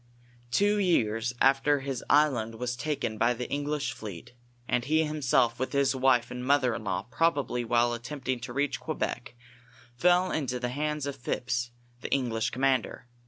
Two years after his island was taken by the English fleet, and he himself, with his M'ife and mother in law, probably while attempting to reach Quebec, fell into the hands of Phipps, the English commander.